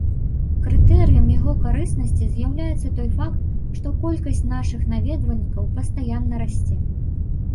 Крытэрыем яго карыснасці з'яўляецца той факт, што колькасць нашых наведвальнікаў пастаянна расце.